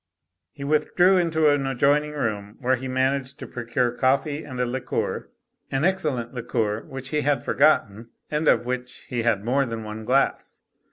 He withdrew into an adjoining room where he managed to procure coffee and a liqueur ; an excel lent liqueur which he had forgotten and of which he had more than one glass.